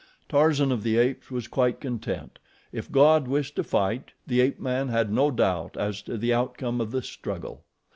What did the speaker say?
Tarzan of the Apes was quite content if God wished to fight, the ape man had no doubt as to the outcome of the struggle.